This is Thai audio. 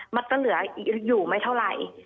มันก็เหลืออยู่ไม่เท่าไหร่